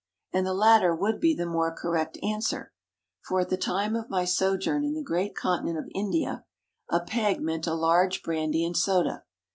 And the latter would be the more correct answer, for at the time of my sojourn in the great continent of India, a peg meant a large brandy and soda.